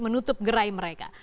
menutup gerai mereka